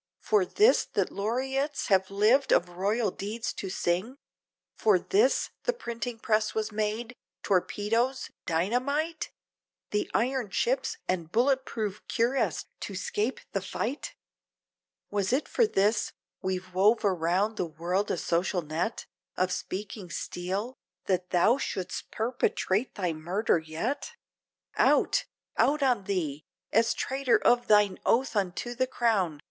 For this! that laureates have lived of royal deeds to sing? For this! the printing press was made, torpedoes, dynamite? The iron ships, and bullet proof cuirass to scape the fight? Was it for this! we've wove around the world a social net Of speaking steel, that thou should'st perpetrate thy murder yet? Out! out on thee! as traitor of thine oath unto the crown!